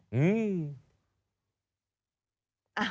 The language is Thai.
อืม